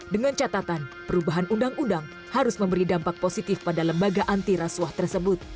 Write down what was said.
dengan catatan perubahan undang undang harus memberi dampak positif pada lembaga antirasuah tersebut